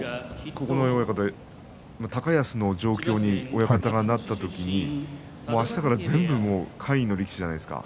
九重親方は高安の状況に親方がなった時にあしたから全部下位の力士じゃないですか。